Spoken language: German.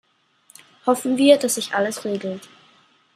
Hoffen wir, dass sich alles regelt.